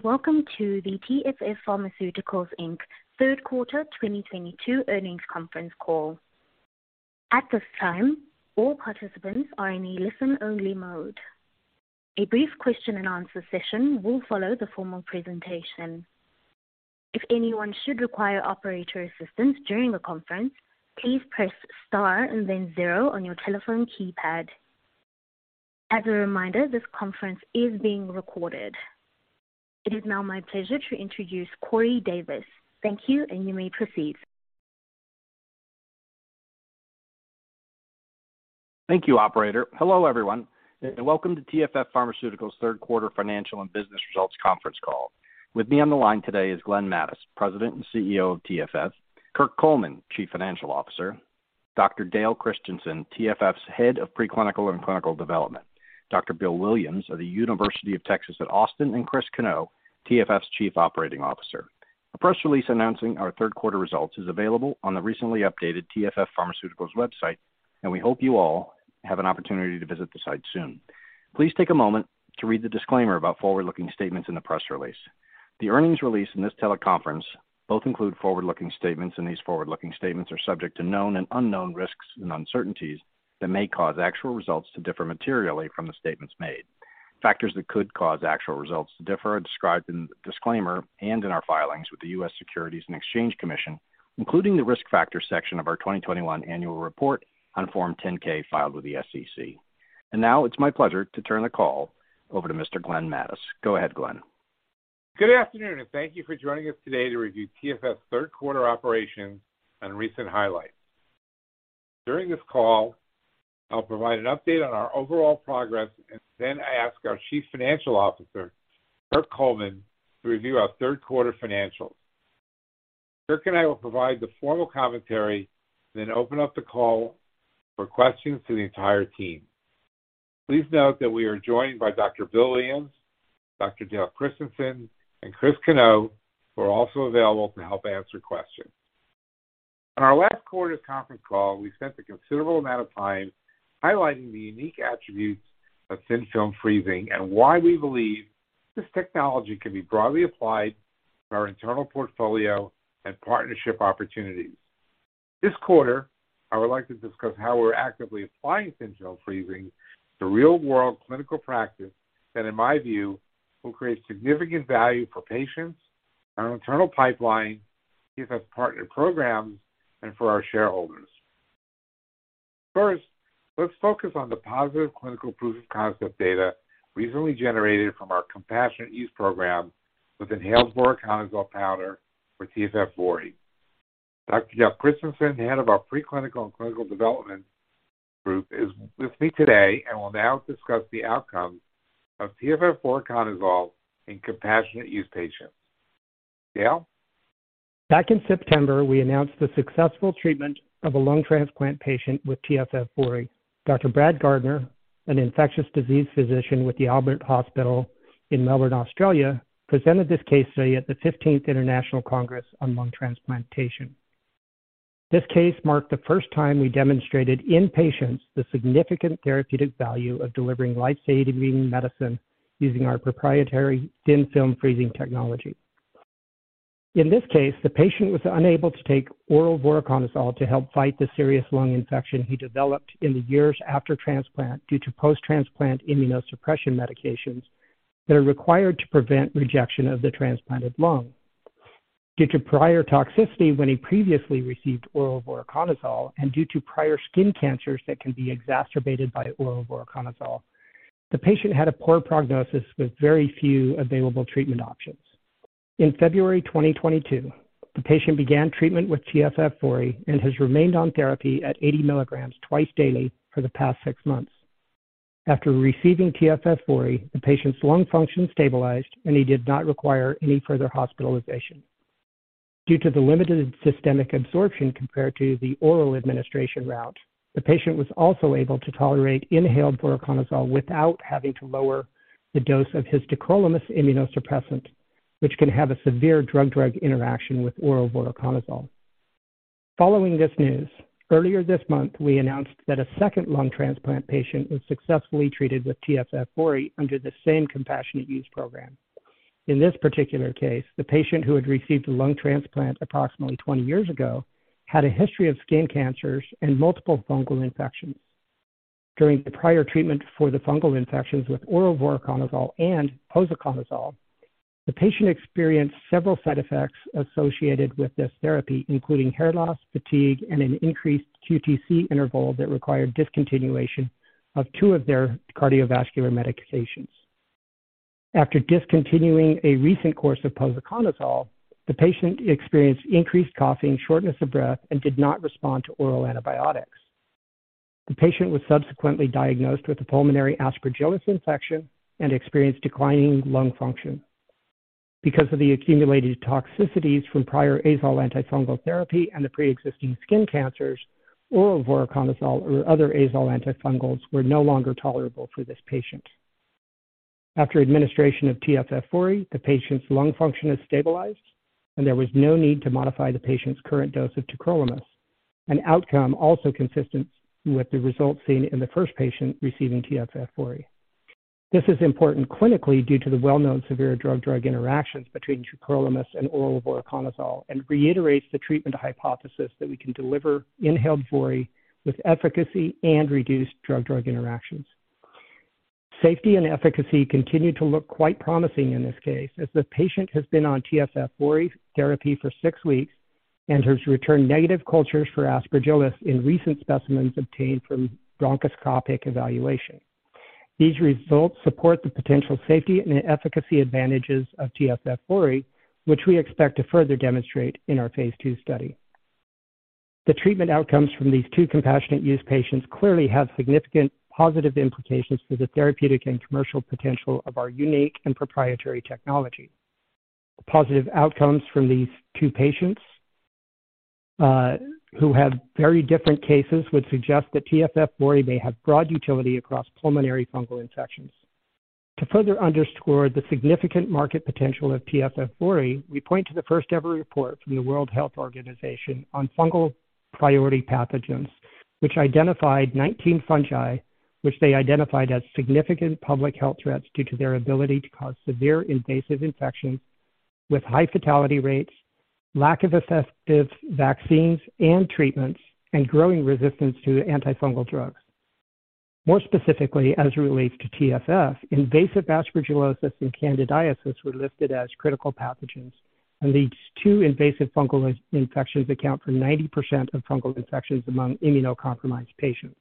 Greetings, and welcome to the TFF Pharmaceuticals, Inc Third Quarter 2022 Earnings Conference Call. At this time, all participants are in a listen-only mode. A brief question and answer session will follow the formal presentation. If anyone should require operator assistance during the conference, please press star and then zero on your telephone keypad. As a reminder, this conference is being recorded. It is now my pleasure to introduce Corey Davis. Thank you, and you may proceed. Thank you, operator. Hello, everyone, and welcome to TFF Pharmaceuticals third quarter financial and business results conference call. With me on the line today is Glenn Mattes, President and CEO of TFF, Kirk Coleman, Chief Financial Officer, Dr. Dale Christensen, TFF's Head of Preclinical and Clinical Development, Dr. Bill Williams of the University of Texas at Austin, and Chris Cano, TFF's Chief Operating Officer. A press release announcing our third quarter results is available on the recently updated TFF Pharmaceuticals website, and we hope you all have an opportunity to visit the site soon. Please take a moment to read the disclaimer about forward-looking statements in the press release. The earnings release and this teleconference both include forward-looking statements, and these forward-looking statements are subject to known and unknown risks and uncertainties that may cause actual results to differ materially from the statements made. Factors that could cause actual results to differ are described in the disclaimer and in our filings with the U.S. Securities and Exchange Commission, including the Risk Factors section of our 2021 annual report on Form 10-K filed with the SEC. Now it's my pleasure to turn the call over to Mr. Glenn Mattes. Go ahead, Glenn. Good afternoon, and thank you for joining us today to review TFF's third quarter operations and recent highlights. During this call, I'll provide an update on our overall progress and then ask our Chief Financial Officer, Kirk Coleman, to review our third quarter financials. Kirk and I will provide the formal commentary, then open up the call for questions to the entire team. Please note that we are joined by Dr. Bill Williams, Dr. Dale Christensen, and Chris Cano, who are also available to help answer questions. On our last quarter's conference call, we spent a considerable amount of time highlighting the unique attributes of Thin Film Freezing and why we believe this technology can be broadly applied to our internal portfolio and partnership opportunities. This quarter, I would like to discuss how we're actively applying Thin Film Freezing to real-world clinical practice that, in my view, will create significant value for patients, our internal pipeline, TFF partner programs, and for our shareholders. First, let's focus on the positive clinical proof-of-concept data recently generated from our Compassionate Use program with inhaled voriconazole powder for TFF VORI. Dr. Dale Christensen, head of our Preclinical and Clinical Development group, is with me today and will now discuss the outcomes of TFF Voriconazole in Compassionate Use patients. Dale? Back in September, we announced the successful treatment of a lung transplant patient with TFF VORI. Dr. Brad Gardner, an infectious disease physician with The Alfred Hospital in Melbourne, Australia, presented this case study at the fifteenth International Congress on Lung Transplantation. This case marked the first time we demonstrated in patients the significant therapeutic value of delivering life-saving medicine using our proprietary Thin Film Freezing technology. In this case, the patient was unable to take oral voriconazole to help fight the serious lung infection he developed in the years after transplant due to post-transplant immunosuppression medications that are required to prevent rejection of the transplanted lung. Due to prior toxicity when he previously received oral voriconazole and due to prior skin cancers that can be exacerbated by oral voriconazole, the patient had a poor prognosis with very few available treatment options. In February 2022, the patient began treatment with TFF VORI and has remained on therapy at 80 mg twice daily for the past 6 months. After receiving TFF VORI, the patient's lung function stabilized, and he did not require any further hospitalization. Due to the limited systemic absorption compared to the oral administration route, the patient was also able to tolerate inhaled voriconazole without having to lower the dose of his tacrolimus immunosuppressant, which can have a severe drug-drug interaction with oral voriconazole. Following this news, earlier this month, we announced that a second lung transplant patient was successfully treated with TFF VORI under the same Compassionate Use Program. In this particular case, the patient who had received a lung transplant approximately 20 years ago had a history of skin cancers and multiple fungal infections. During the prior treatment for the fungal infections with oral voriconazole and posaconazole, the patient experienced several side effects associated with this therapy, including hair loss, fatigue, and an increased QTc interval that required discontinuation of two of their cardiovascular medications. After discontinuing a recent course of posaconazole, the patient experienced increased coughing, shortness of breath, and did not respond to oral antibiotics. The patient was subsequently diagnosed with a pulmonary Aspergillus infection and experienced declining lung function. Because of the accumulated toxicities from prior azole antifungal therapy and the preexisting skin cancers, oral voriconazole or other azole antifungals were no longer tolerable for this patient. After administration of TFF VORI, the patient's lung function has stabilized, and there was no need to modify the patient's current dose of tacrolimus. An outcome also consistent with the results seen in the first patient receiving TFF VORI. This is important clinically due to the well-known severe drug-drug interactions between voriconazole and oral voriconazole, and reiterates the treatment hypothesis that we can deliver inhaled vori with efficacy and reduced drug-drug interactions. Safety and efficacy continued to look quite promising in this case, as the patient has been on TFF VORI therapy for six weeks and has returned negative cultures for Aspergillus in recent specimens obtained from bronchoscopic evaluation. These results support the potential safety and efficacy advantages of TFF VORI, which we expect to further demonstrate in our phase II study. The treatment outcomes from these two compassionate use patients clearly have significant positive implications for the therapeutic and commercial potential of our unique and proprietary technology. Positive outcomes from these two patients, who have very different cases, would suggest that TFF VORI may have broad utility across pulmonary fungal infections. To further underscore the significant market potential of TFF VORI, we point to the first-ever report from the World Health Organization on fungal priority pathogens, which identified 19 fungi which they identified as significant public health threats due to their ability to cause severe invasive infections with high fatality rates, lack of effective vaccines and treatments, and growing resistance to antifungal drugs. More specifically, as it relates to TFF, invasive aspergillosis and candidiasis were listed as critical pathogens, and these two invasive fungal infections account for 90% of fungal infections among immunocompromised patients.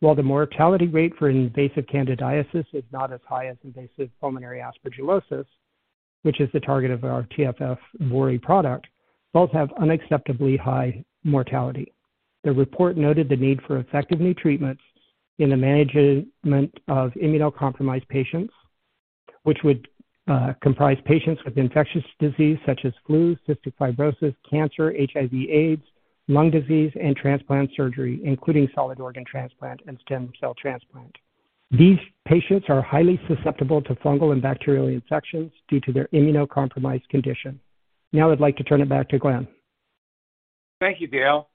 While the mortality rate for invasive candidiasis is not as high as invasive pulmonary aspergillosis, which is the target of our TFF VORI product, both have unacceptably high mortality. The report noted the need for effective new treatments in the management of immunocompromised patients, which would comprise patients with infectious disease such as flu, cystic fibrosis, cancer, HIV, AIDS, lung disease, and transplant surgery, including solid organ transplant and stem cell transplant. These patients are highly susceptible to fungal and bacterial infections due to their immunocompromised condition. Now I'd like to turn it back to Glenn. Thank you, Dale.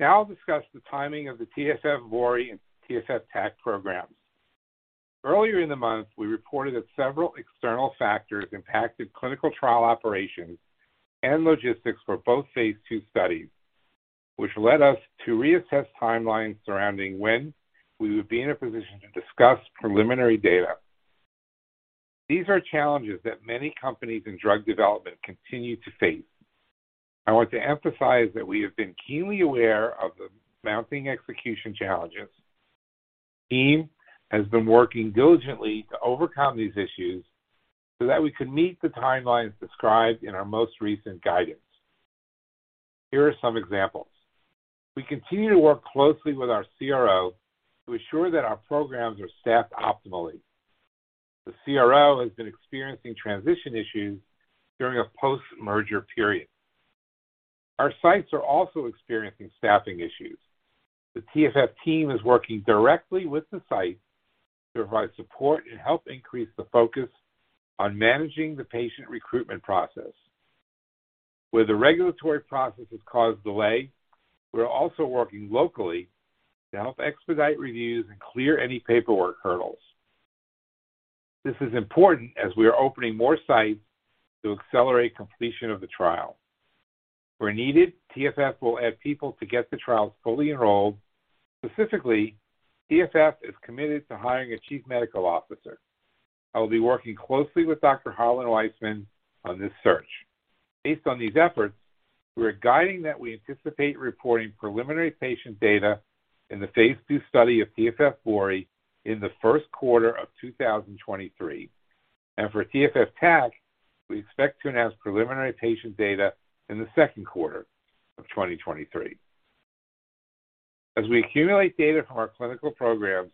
Now I'll discuss the timing of the TFF VORI and TFF TAC programs. Earlier in the month, we reported that several external factors impacted clinical trial operations and logistics for both phase II studies, which led us to reassess timelines surrounding when we would be in a position to discuss preliminary data. These are challenges that many companies in drug development continue to face. I want to emphasize that we have been keenly aware of the mounting execution challenges. The team has been working diligently to overcome these issues so that we can meet the timelines described in our most recent guidance. Here are some examples. We continue to work closely with our CRO to ensure that our programs are staffed optimally. The CRO has been experiencing transition issues during a post-merger period. Our sites are also experiencing staffing issues. The TFF team is working directly with the sites to provide support and help increase the focus on managing the patient recruitment process. Where the regulatory process has caused delay, we're also working locally to help expedite reviews and clear any paperwork hurdles. This is important as we are opening more sites to accelerate completion of the trial. Where needed, TFF will add people to get the trials fully enrolled. Specifically, TFF is committed to hiring a chief medical officer. I will be working closely with Dr. Harlan Weisman on this search. Based on these efforts, we are guiding that we anticipate reporting preliminary patient data in the phase II study of TFF VORI in the first quarter of 2023. For TFF TAC, we expect to announce preliminary patient data in the second quarter of 2023. As we accumulate data from our clinical programs,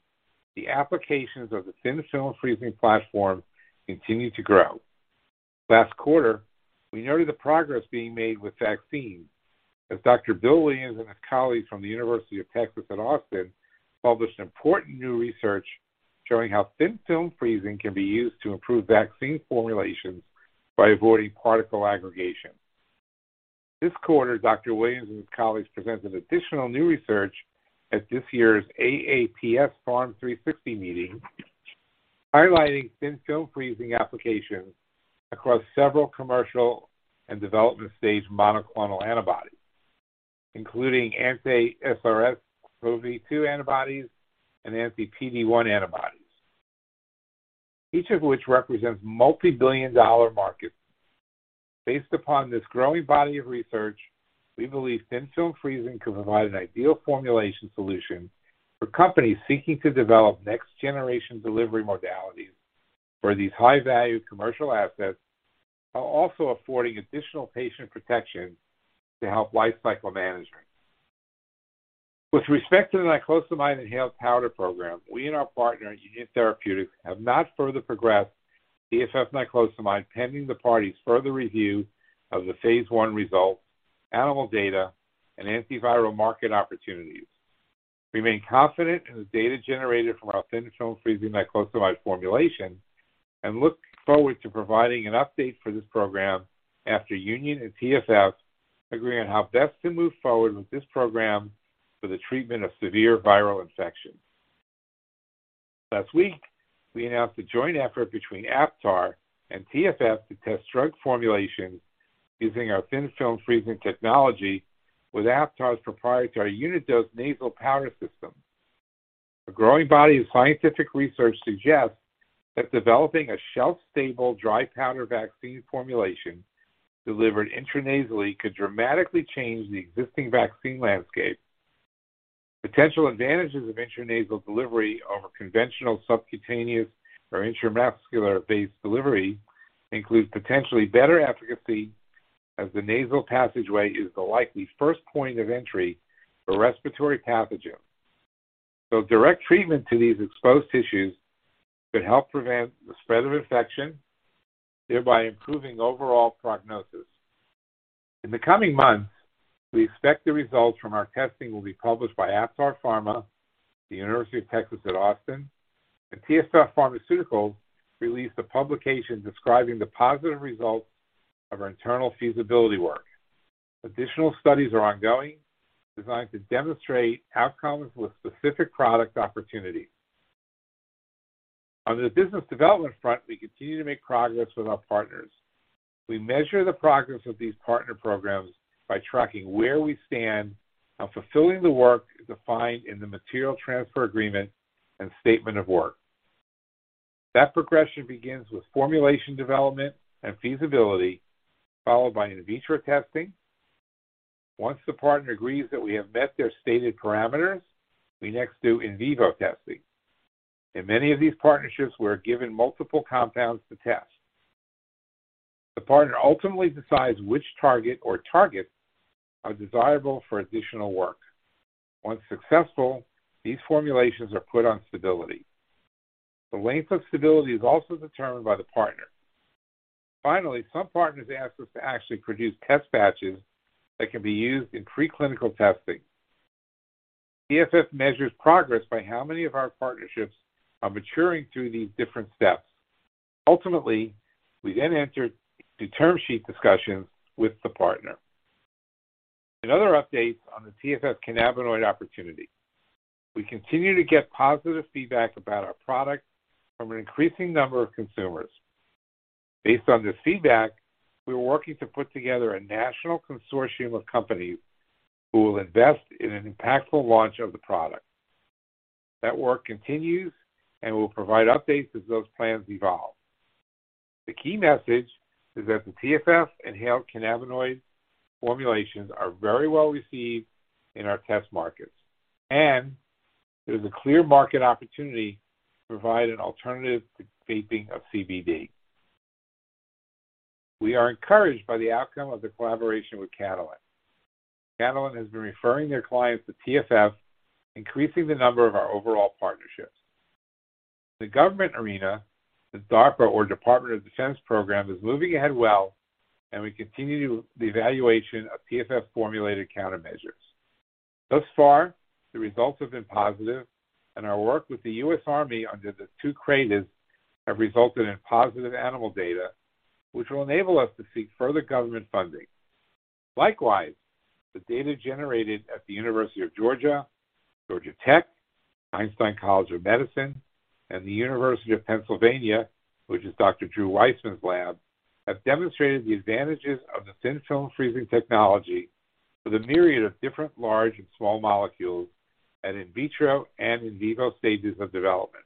the applications of the Thin Film Freezing platform continue to grow. Last quarter, we noted the progress being made with vaccines, as Dr. Bill Williams and his colleagues from the University of Texas at Austin published important new research showing how Thin Film Freezing can be used to improve vaccine formulations by avoiding particle aggregation. This quarter, Dr. Williams and his colleagues presented additional new research at this year's AAPS PharmSci 360 meeting, highlighting Thin Film Freezing applications across several commercial and development stage monoclonal antibodies, including anti-SARS-CoV-2 antibodies and anti-PD-1 antibodies, each of which represents multi-billion dollar markets. Based upon this growing body of research, we believe Thin Film Freezing can provide an ideal formulation solution for companies seeking to develop next-generation delivery modalities for these high-value commercial assets, while also affording additional patient protection to help lifecycle management. With respect to the niclosamide inhaled powder program, we and our partner, Union Therapeutics, have not further progressed TFF niclosamide pending the parties' further review of the phase I results, animal data, and antiviral market opportunities. Remain confident in the data generated from our Thin Film Freezing micellized formulation and look forward to providing an update for this program after Union and TFF agree on how best to move forward with this program for the treatment of severe viral infections. Last week, we announced a joint effort between Aptar and TFF to test drug formulations using our Thin Film Freezing technology with Aptar's proprietary unit dose nasal powder system. A growing body of scientific research suggests that developing a shelf-stable, dry powder vaccine formulation delivered intranasally could dramatically change the existing vaccine landscape. Potential advantages of intranasal delivery over conventional subcutaneous or intramuscular-based delivery includes potentially better efficacy, as the nasal passageway is the likely first point of entry for respiratory pathogens. Direct treatment to these exposed tissues could help prevent the spread of infection, thereby improving overall prognosis. In the coming months, we expect the results from our testing will be published by Aptar Pharma, the University of Texas at Austin, and TFF Pharmaceuticals will release a publication describing the positive results of our internal feasibility work. Additional studies are ongoing, designed to demonstrate outcomes with specific product opportunities. On the business development front, we continue to make progress with our partners. We measure the progress of these partner programs by tracking where we stand on fulfilling the work defined in the Material Transfer Agreement and Statement of Work. That progression begins with formulation development and feasibility, followed by in vitro testing. Once the partner agrees that we have met their stated parameters, we next do in vivo testing. In many of these partnerships, we are given multiple compounds to test. The partner ultimately decides which target or targets are desirable for additional work. Once successful, these formulations are put on stability. The length of stability is also determined by the partner. Finally, some partners ask us to actually produce test batches that can be used in preclinical testing. TFF measures progress by how many of our partnerships are maturing through these different steps. Ultimately, we then enter the term sheet discussions with the partner. In other updates on the TFF cannabinoid opportunity, we continue to get positive feedback about our product from an increasing number of consumers. Based on this feedback, we are working to put together a national consortium of companies who will invest in an impactful launch of the product. That work continues and will provide updates as those plans evolve. The key message is that the TFF inhaled cannabinoid formulations are very well received in our test markets, and there's a clear market opportunity to provide an alternative to vaping of CBD. We are encouraged by the outcome of the collaboration with Catalent. Catalent has been referring their clients to TFF, increasing the number of our overall partnerships. The government arena, the DARPA or Department of Defense program, is moving ahead well, and we continue the evaluation of TFF-formulated countermeasures. Thus far, the results have been positive, and our work with the U.S. Army under the two CRADAs have resulted in positive animal data, which will enable us to seek further government funding. Likewise, the data generated at the University of Georgia Institute of Technology, Albert Einstein College of Medicine, and the University of Pennsylvania, which is Dr. Drew Weissman's lab, have demonstrated the advantages of the Thin Film Freezing technology with a myriad of different large and small molecules at in vitro and in vivo stages of development.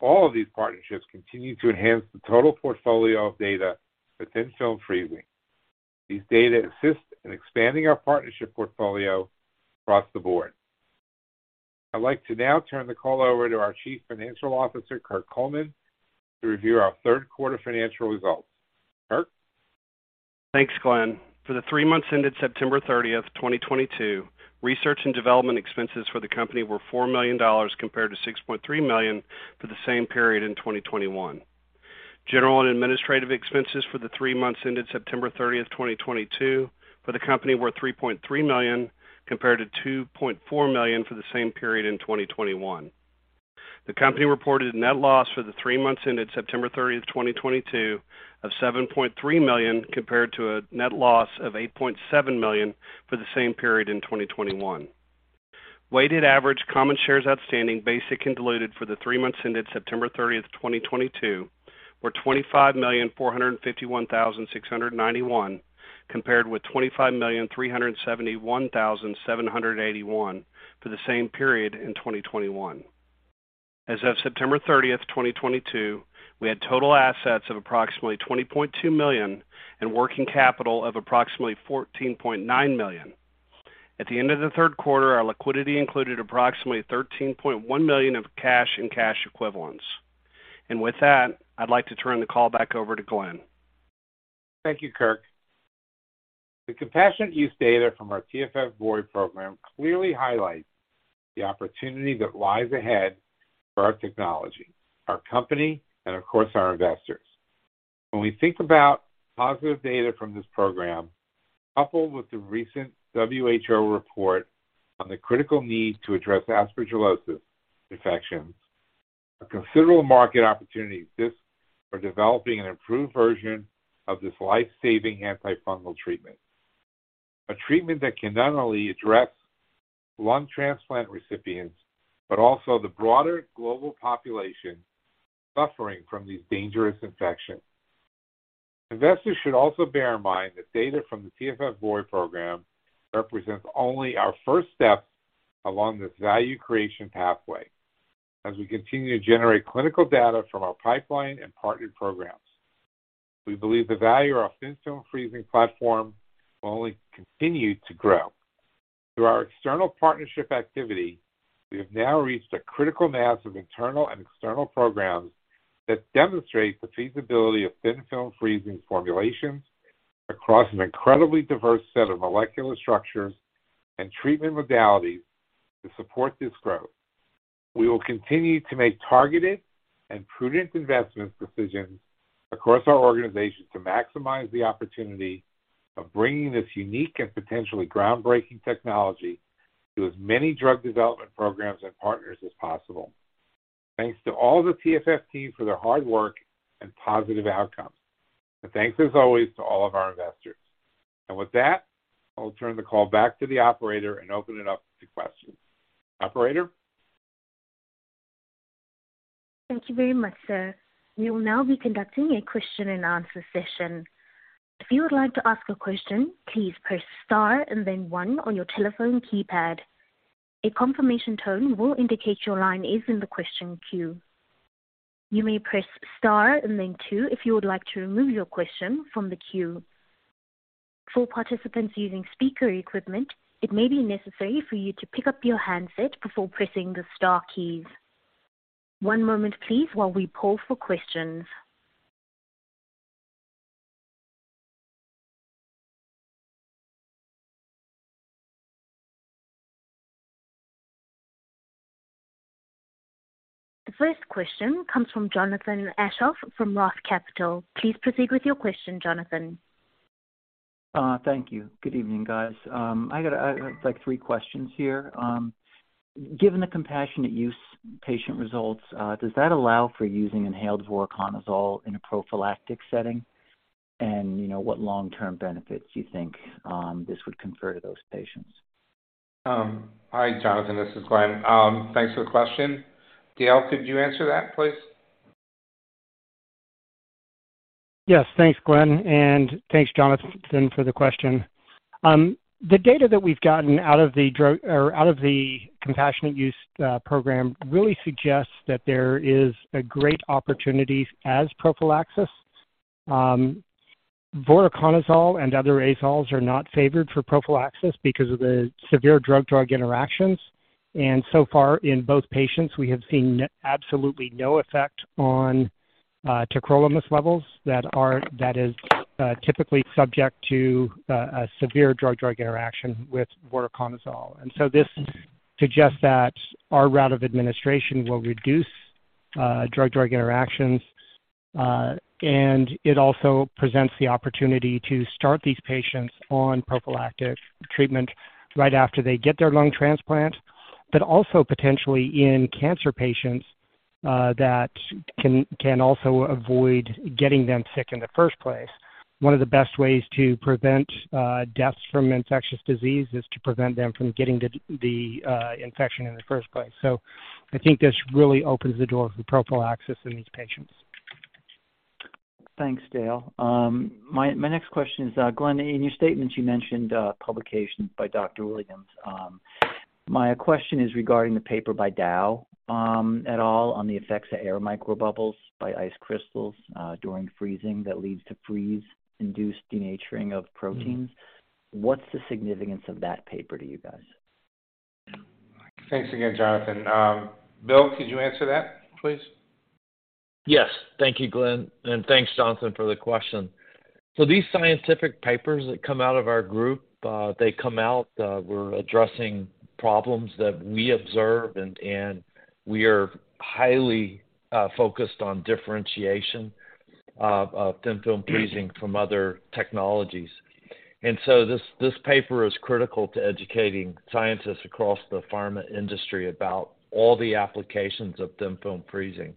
All of these partnerships continue to enhance the total portfolio of data for Thin Film Freezing. These data assist in expanding our partnership portfolio across the board. I'd like to now turn the call over to our Chief Financial Officer, Kirk Coleman, to review our third quarter financial results. Kirk? Thanks, Glenn. For the three months ended September 30, 2022, R&D expenses for the company were $4 million compared to $6.3 million for the same period in 2021. General and administrative expenses for the three months ended September 30, 2022 for the company were $3.3 million compared to $2.4 million for the same period in 2021. The company reported net loss for the three months ended September 30, 2022 of $7.3 million compared to a net loss of $8.7 million for the same period in 2021. Weighted average common shares outstanding, basic and diluted, for the three months ended September 30th, 2022 were 25,451,691, compared with 25,371,781 for the same period in 2021. As of September 30th, 2022, we had total assets of approximately $20.2 million and working capital of approximately $14.9 million. At the end of the third quarter, our liquidity included approximately $13.1 million of cash and cash equivalents. With that, I'd like to turn the call back over to Glenn. Thank you, Kirk. The compassionate use data from our TFF COVID program clearly highlights the opportunity that lies ahead for our technology, our company, and of course, our investors. When we think about positive data from this program, coupled with the recent WHO report on the critical need to address aspergillosis infections, a considerable market opportunity exists for developing an improved version of this life-saving antifungal treatment, a treatment that can not only address lung transplant recipients, but also the broader global population suffering from these dangerous infections. Investors should also bear in mind that data from the TFF VORI program represents only our first step along this value creation pathway. As we continue to generate clinical data from our pipeline and partnered programs, we believe the value of our Thin Film Freezing platform will only continue to grow. Through our external partnership activity, we have now reached a critical mass of internal and external programs that demonstrate the feasibility of Thin Film Freezing formulations across an incredibly diverse set of molecular structures and treatment modalities to support this growth. We will continue to make targeted and prudent investment decisions across our organization to maximize the opportunity of bringing this unique and potentially groundbreaking technology to as many drug development programs and partners as possible. Thanks to all the TFF team for their hard work and positive outcomes. Thanks as always to all of our investors. With that, I'll turn the call back to the operator and open it up to questions. Operator? Thank you very much, sir. We will now be conducting a question and answer session. If you would like to ask a question, please press star and then one on your telephone keypad. A confirmation tone will indicate your line is in the question queue. You may press star and then two if you would like to remove your question from the queue. For participants using speaker equipment, it may be necessary for you to pick up your handset before pressing the star keys. One moment, please, while we poll for questions. The first question comes from Jonathan Aschoff from Roth Capital. Please proceed with your question, Jonathan. Thank you. Good evening, guys. I got like three questions here. Given the Compassionate Use patient results, does that allow for using inhaled voriconazole in a prophylactic setting? You know, what long-term benefits do you think this would confer to those patients? Hi, Jonathan. This is Glenn. Thanks for the question. Dale, could you answer that, please? Yes. Thanks, Glenn, and thanks, Jonathan, for the question. The data that we've gotten out of the compassionate use program really suggests that there is a great opportunity as prophylaxis. Voriconazole and other azoles are not favored for prophylaxis because of the severe drug-drug interactions. So far in both patients, we have seen absolutely no effect on tacrolimus levels that is typically subject to a severe drug-drug interaction with voriconazole. So this suggests that our route of administration will reduce drug-drug interactions, and it also presents the opportunity to start these patients on prophylactic treatment right after they get their lung transplant. Also potentially in cancer patients that can also avoid getting them sick in the first place. One of the best ways to prevent deaths from infectious disease is to prevent them from getting the infection in the first place. I think this really opens the door for prophylaxis in these patients. Thanks, Dale. My next question is, Glenn, in your statement, you mentioned a publication by Dr. Williams. My question is regarding the paper by Dao, et al., on the effects of air microbubbles by ice crystals during freezing that leads to freeze-induced denaturing of proteins. What's the significance of that paper to you guys? Thanks again, Jonathan. Bill, could you answer that, please? Yes. Thank you, Glenn. And thanks, Jonathan, for the question. These scientific papers that come out of our group, they come out of our group. We're addressing problems that we observe, and we are highly focused on differentiation of Thin Film Freezing from other technologies. This paper is critical to educating scientists across the pharma industry about all the applications of Thin Film Freezing.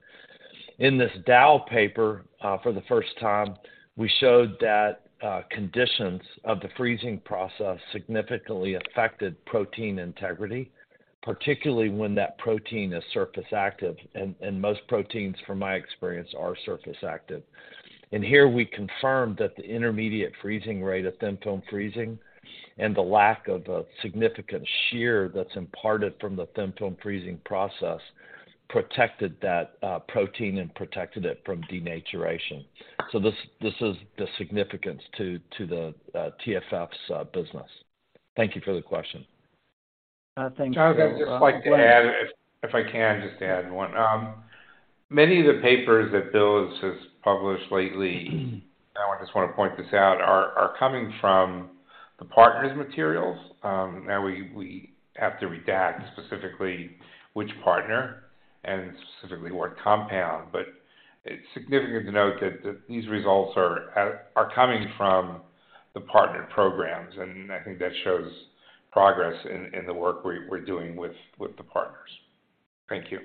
In this Dao paper, for the first time, we showed that conditions of the freezing process significantly affected protein integrity, particularly when that protein is surface active, and most proteins from my experience are surface active. Here we confirmed that the intermediate freezing rate of Thin Film Freezing and the lack of a significant shear that's imparted from the Thin Film Freezing process protected that protein and protected it from denaturation. This is the significance to the TFF's business. Thank you for the question. Thank you. Jonathan, I'd just like to add, if I can just add one. Many of the papers that Bill has published lately. I just want to point this out, are coming from the partners materials. Now we have to redact specifically which partner and specifically what compound, but it's significant to note that these results are coming from the partner programs, and I think that shows progress in the work we're doing with the partners. Thank you.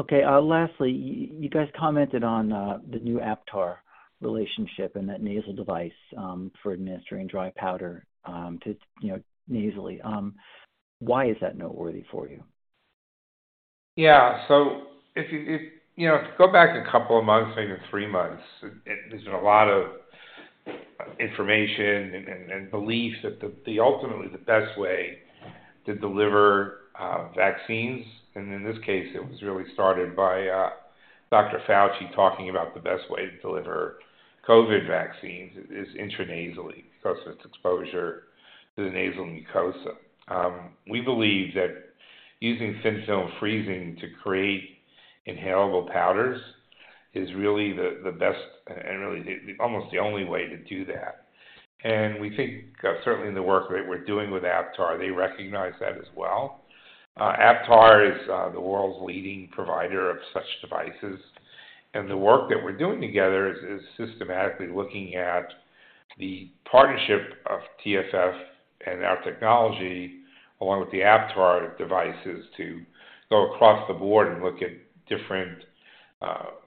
Okay. Lastly, you guys commented on the new Aptar relationship and that nasal device for administering dry powder to, you know, nasally. Why is that noteworthy for you? If you go back a couple of months, maybe three months, there's been a lot of information and belief that ultimately the best way to deliver vaccines, and in this case it was really started by Dr. Fauci talking about the best way to deliver COVID vaccines is intranasally because of its exposure to the nasal mucosa. We believe that using Thin Film Freezing to create inhalable powders is really the best and really almost the only way to do that. We think certainly in the work that we're doing with Aptar, they recognize that as well. Aptar is the world's leading provider of such devices, and the work that we're doing together is systematically looking at the partnership of TFF and our technology, along with the Aptar devices, to go across the board and look at different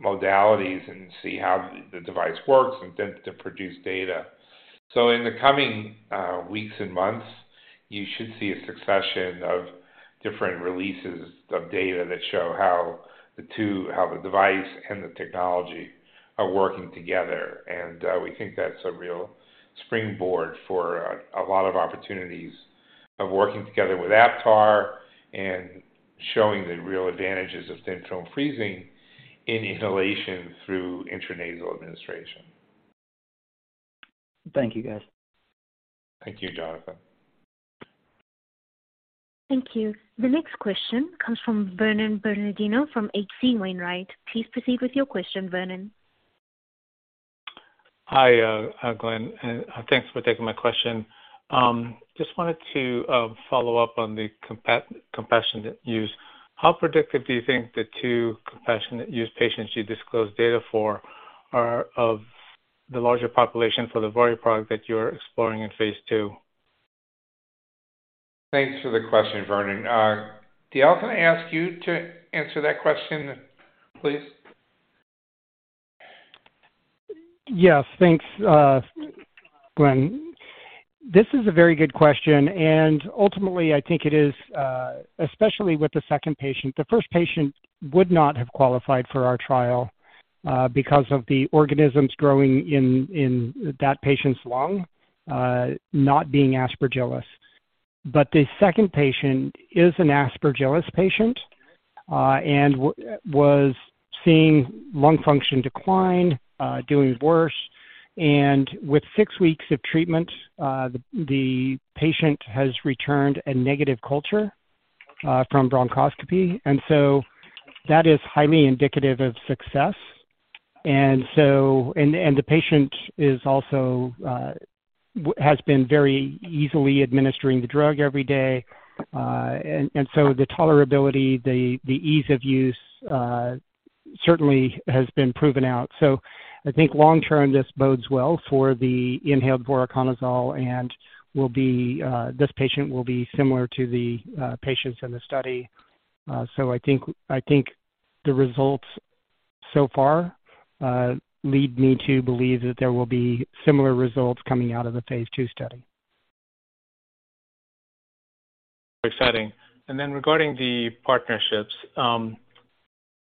modalities and see how the device works and then to produce data. In the coming weeks and months, you should see a succession of different releases of data that show how the device and the technology are working together. We think that's a real springboard for a lot of opportunities of working together with Aptar and showing the real advantages of Thin Film Freezing in inhalation through intranasal administration. Thank you, guys. Thank you, Jonathan. Thank you. The next question comes from Vernon Bernardino from H.C. Wainwright. Please proceed with your question, Vernon. Hi, Glenn, and thanks for taking my question. Just wanted to follow up on the compassionate use. How predictive do you think the two compassionate use patients you disclosed data for are of the larger population for the VORI product that you're exploring in phase II? Thanks for the question, Vernon. Dale, can I ask you to answer that question, please? Yes, thanks, Glenn. This is a very good question, and ultimately I think it is, especially with the second patient. The first patient would not have qualified for our trial, because of the organisms growing in that patient's lung, not being Aspergillus. The second patient is an Aspergillus patient, and was seeing lung function decline, doing worse. With 6 weeks of treatment, the patient has returned a negative culture from bronchoscopy, and so that is highly indicative of success. The patient is also, has been very easily administering the drug every day, and so the tolerability, the ease of use, certainly has been proven out. I think long-term, this bodes well for the inhaled voriconazole and will be, this patient will be similar to the, patients in the study. I think the results so far lead me to believe that there will be similar results coming out of the phase II study. Exciting. Regarding the partnerships,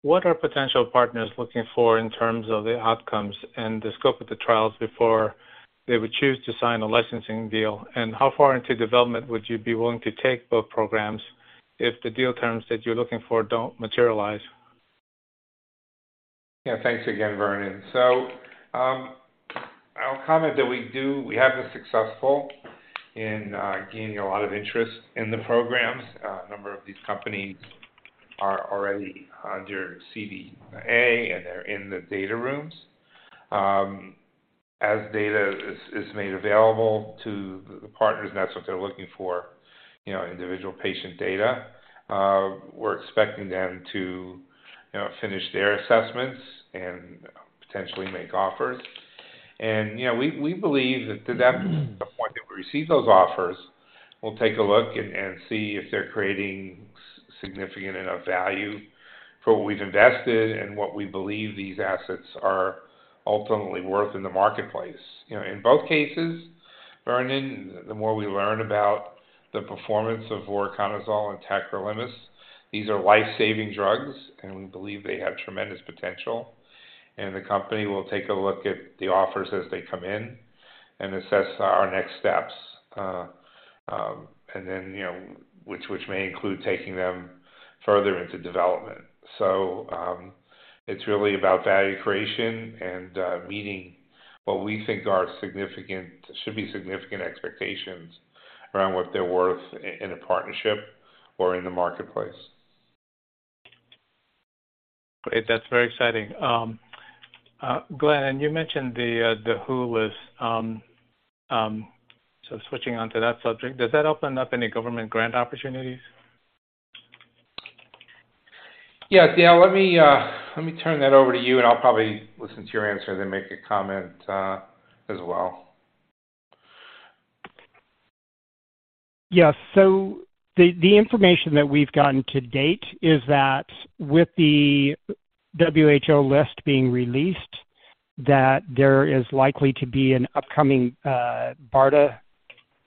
what are potential partners looking for in terms of the outcomes and the scope of the trials before they would choose to sign a licensing deal? How far into development would you be willing to take both programs if the deal terms that you're looking for don't materialize? Yeah. Thanks again, Vernon. I'll comment that we have been successful in gaining a lot of interest in the programs. A number of these companies are already under CDA, and they're in the data rooms. As data is made available to the partners, and that's what they're looking for, you know, individual patient data, we're expecting them to, you know, finish their assessments and potentially make offers. We believe that to the point that we receive those offers, we'll take a look and see if they're creating significant enough value for what we've invested and what we believe these assets are ultimately worth in the marketplace. You know, in both cases, Vernon, the more we learn about the performance of voriconazole and tacrolimus, these are life-saving drugs, and we believe they have tremendous potential. The company will take a look at the offers as they come in and assess our next steps, and then, you know, which may include taking them further into development. It's really about value creation and meeting what we think are significant expectations around what they're worth in a partnership or in the marketplace. Great. That's very exciting. Glenn, you mentioned the WHO list. Switching onto that subject, does that open up any government grant opportunities? Yeah, Dale, let me turn that over to you, and I'll probably listen to your answer, then make a comment, as well. Yeah. The information that we've gotten to date is that with the WHO list being released, that there is likely to be an upcoming BARDA amendment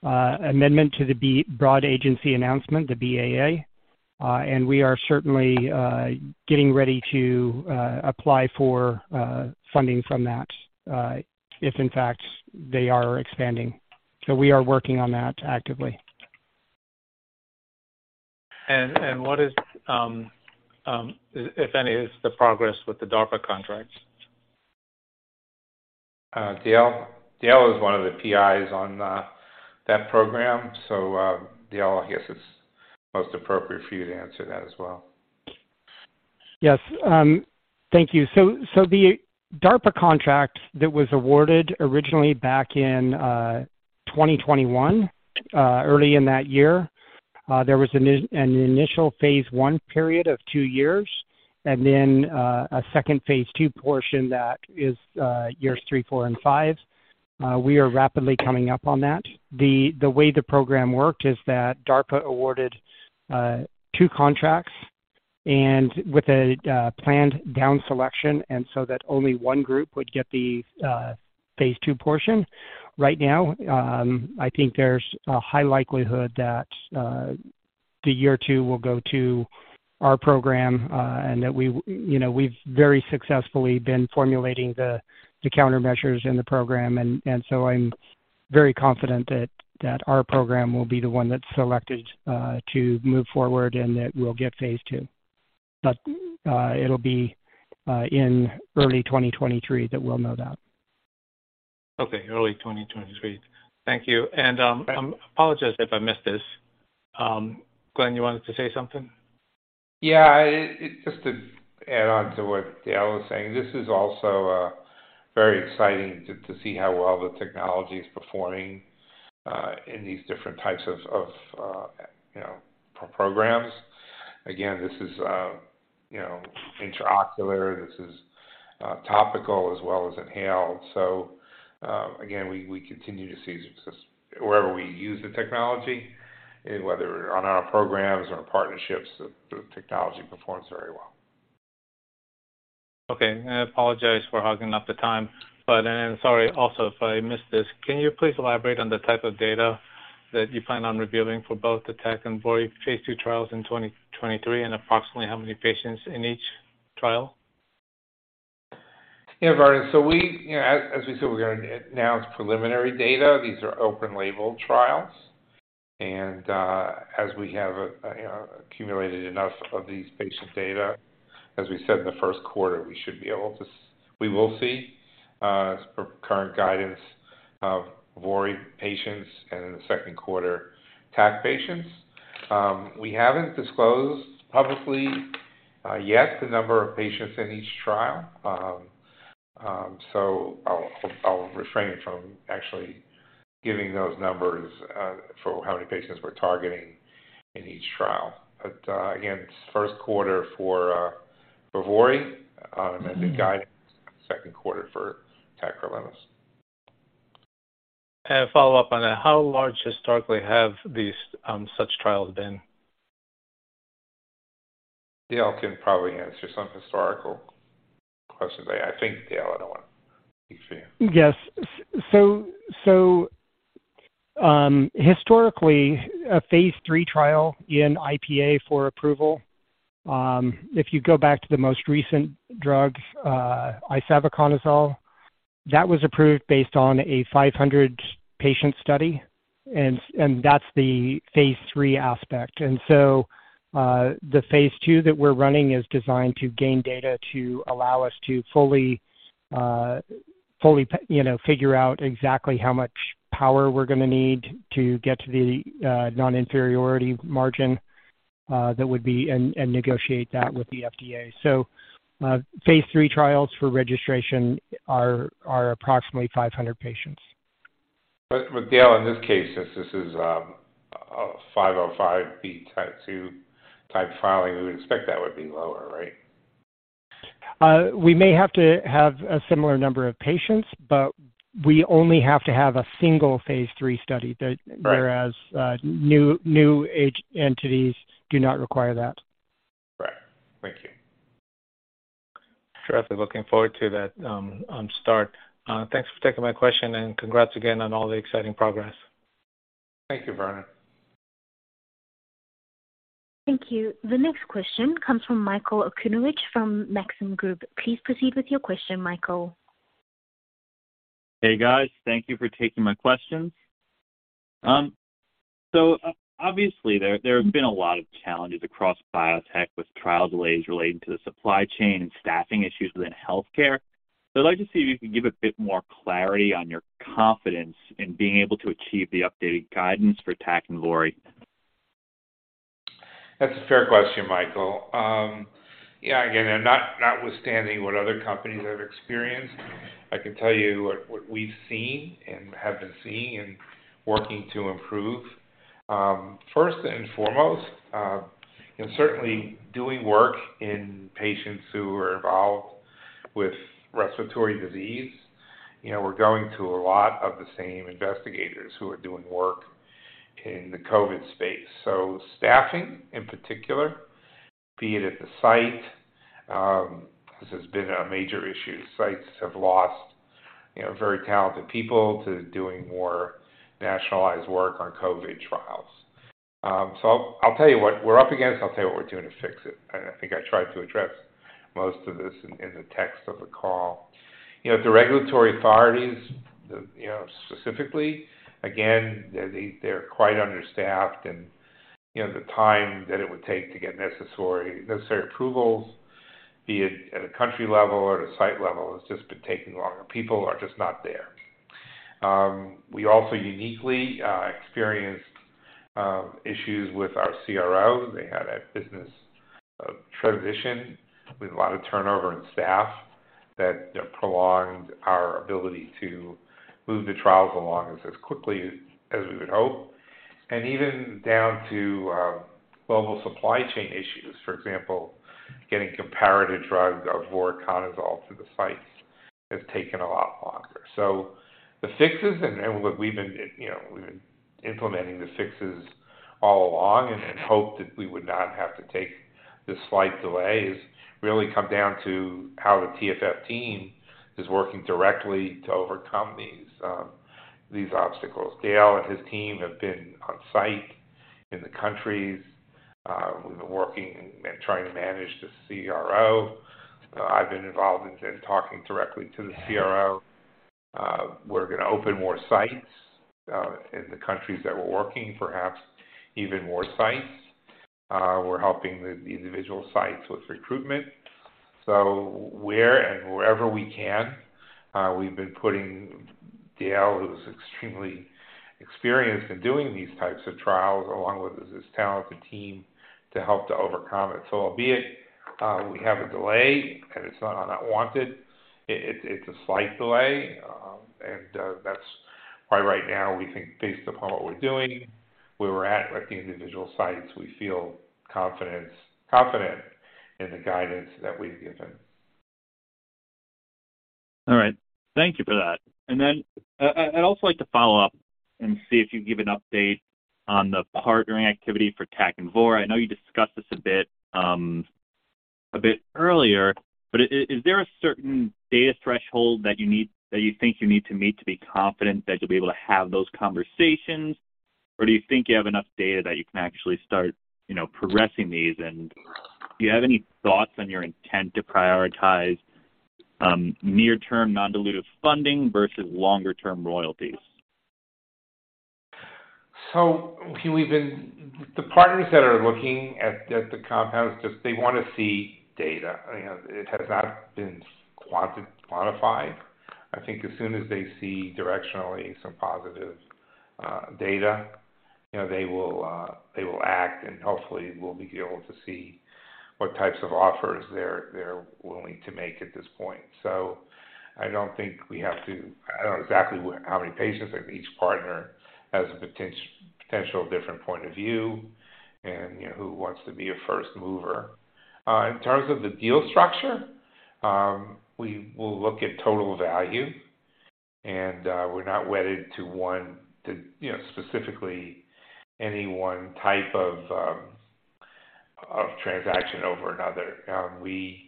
to the Broad Agency Announcement, the BAA. We are certainly getting ready to apply for funding from that, if in fact they are expanding. We are working on that actively. What, if any, is the progress with the DARPA contracts? Dale is one of the PIs on that program, so Dale, I guess it's most appropriate for you to answer that as well. Yes. Thank you. The DARPA contract that was awarded originally back in 2021, early in that year, there was an initial phase I period of two years and then a second phase II portion that is years 3, 4, and 5. We are rapidly coming up on that. The way the program worked is that DARPA awarded two contracts and with a planned down selection and so that only one group would get the phase II portion. Right now, I think there's a high likelihood that the year two will go to our program, and that we've very successfully been formulating the countermeasures in the program. I'm very confident that our program will be the one that's selected to move forward, and that we'll get phase two. It'll be in early 2023 that we'll know that. Okay, early 2023. Thank you. I apologize if I missed this. Glenn, you wanted to say something? Yeah, just to add on to what Dale was saying, this is also very exciting to see how well the technology is performing in these different types of, you know, programs. Again, this is, you know, intraocular. This is topical as well as inhaled. Again, we continue to see success wherever we use the technology. Whether on our programs or partnerships, the technology performs very well. Okay. I apologize for hogging up the time, but sorry also if I missed this. Can you please elaborate on the type of data that you plan on revealing for both the TAC and VORI phase II trials in 2023 and approximately how many patients in each trial? Yeah, Vernon. We, you know, as we said, we're gonna announce preliminary data. These are open label trials. As we have, you know, accumulated enough of these patient data, as we said in the first quarter, we will see for current guidance of VORI patients and in the second quarter, TAC patients. We haven't disclosed publicly yet the number of patients in each trial. I'll refrain from actually giving those numbers for how many patients we're targeting in each trial. Again, it's first quarter for VORI on amended guidance, second quarter for tacrolimus. Follow up on that, how large historically have these such trials been? Dale can probably answer some historical questions. I think Dale would wanna speak for you. Yes. Historically, a phase III trial in IPA for approval, if you go back to the most recent drug, isavuconazole, that was approved based on a 500-patient study, and that's the phase III aspect. The phase II that we're running is designed to gain data to allow us to fully, you know, figure out exactly how much power we're gonna need to get to the non-inferiority margin that would be and negotiate that with the FDA. Phase III trials for registration are approximately 500 patients. Dale, in this case, since this is a 505(b)(2) filing, we would expect that would be lower, right? We may have to have a similar number of patients, but we only have to have a single phase III study that. Right. Whereas, new entities do not require that. Right. Thank you. Sure. Looking forward to that start. Thanks for taking my question, and congrats again on all the exciting progress. Thank you, Vernon. Thank you. The next question comes from Michael Okunewitch from Maxim Group. Please proceed with your question, Michael. Hey, guys. Thank you for taking my questions. Obviously, there have been a lot of challenges across biotech with trial delays relating to the supply chain and staffing issues within healthcare. I'd like to see if you can give a bit more clarity on your confidence in being able to achieve the updated guidance for TFF TAC and TFF VORI. That's a fair question, Michael. Yeah, again, notwithstanding what other companies have experienced, I can tell you what we've seen and have been seeing and working to improve. First and foremost, you know, certainly doing work in patients who are involved with respiratory disease. You know, we're going to a lot of the same investigators who are doing work in the COVID space. Staffing, in particular, be it at the site, this has been a major issue. Sites have lost, you know, very talented people to doing more nationalized work on COVID trials. I'll tell you what we're up against. I'll tell you what we're doing to fix it. I think I tried to address most of this in the text of the call. You know, the regulatory authorities, you know, specifically, again, they're quite understaffed and, you know, the time that it would take to get necessary approvals, be it at a country level or at a site level, has just been taking longer. People are just not there. We also uniquely experienced issues with our CRO. They had a business transition with a lot of turnover in staff that prolonged our ability to move the trials along as quickly as we would hope. Even down to global supply chain issues. For example, getting comparative drugs of voriconazole to the sites has taken a lot longer. The fixes and look, we've been implementing the fixes all along and had hoped that we would not have to take the slight delays, really come down to how the TFF team is working directly to overcome these obstacles. Dale and his team have been on site in the countries. We've been working and trying to manage the CRO. I've been involved in talking directly to the CRO. We're gonna open more sites in the countries that we're working, perhaps even more sites. We're helping the individual sites with recruitment. Where and wherever we can, we've been putting Dale, who's extremely experienced in doing these types of trials, along with his talented team, to help to overcome it. Albeit we have a delay, and it's not wanted, it's a slight delay, and that's why right now we think based upon what we're doing, where we're at with the individual sites, we feel confident in the guidance that we've given. All right. Thank you for that. I'd also like to follow up and see if you can give an update on the partnering activity for TFF TAC and TFF VORI. I know you discussed this a bit earlier, but is there a certain data threshold that you need, that you think you need to meet to be confident that you'll be able to have those conversations? Or do you think you have enough data that you can actually start, you know, progressing these? Do you have any thoughts on your intent to prioritize near term non-dilutive funding versus longer term royalties? The partners that are looking at the compounds just they want to see data. You know, it has not been quantified. I think as soon as they see directionally some positive data, you know, they will act and hopefully we'll be able to see what types of offers they're willing to make at this point. I don't know exactly how many patients, like each partner has a potential different point of view and, you know, who wants to be a first mover. In terms of the deal structure, we will look at total value and, we're not wedded to one, to, you know, specifically any one type of transaction over another. We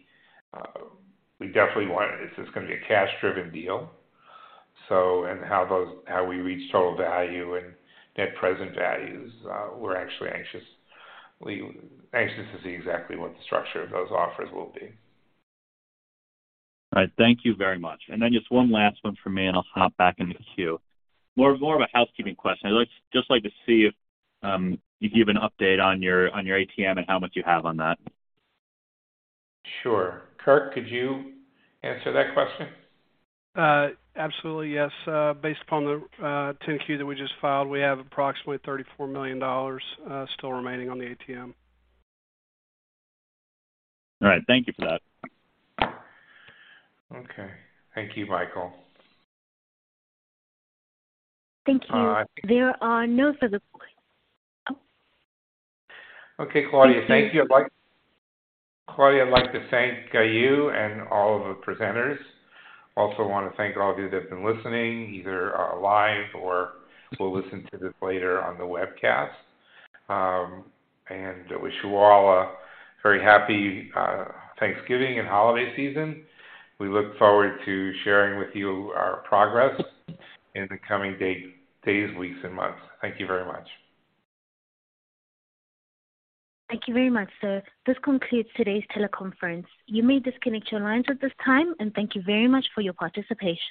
definitely want. This is gonna be a cash driven deal. How we reach total value and net present values, we're actually anxious to see exactly what the structure of those offers will be. All right. Thank you very much. Then just one last one from me and I'll hop back in the queue. More of a housekeeping question. I'd like, just like to see if you could give an update on your ATM and how much you have on that. Sure. Kirk, could you answer that question? Absolutely, yes. Based upon the 10-Q that we just filed, we have approximately $34 million still remaining on the ATM. All right. Thank you for that. Okay. Thank you, Michael. Thank you. There are no further questions. Okay, Claudia, thank you. Claudia, I'd like to thank you and all of the presenters. Also want to thank all of you that have been listening either live or will listen to this later on the webcast. I wish you all a very happy Thanksgiving and holiday season. We look forward to sharing with you our progress in the coming days, weeks and months. Thank you very much. Thank you very much, sir. This concludes today's teleconference. You may disconnect your lines at this time and thank you very much for your participation.